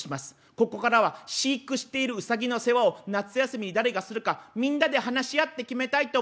ここからは飼育しているウサギの世話を夏休みに誰がするかみんなで話し合って決めたいと思います」。